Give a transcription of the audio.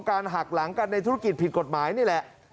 หักหลังกันในธุรกิจผิดกฎหมายนี่แหละ